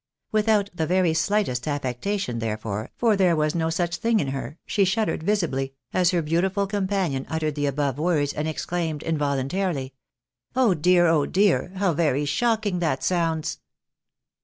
Without the very slightest affectation, therefore, for there was no such thing in her, she shuddered visibly, as her beautiful companion uttered the above words, and exclaimed involuntarily, " Oh dear ! oh dear ! how very shocking that sounds